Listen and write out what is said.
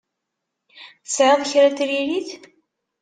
Tesɛiḍ kra n tiririt?